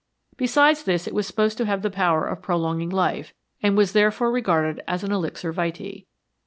Be sides this it was supposed to have the power of prolong ing life, and was therefore regarded as an "elixir vitse."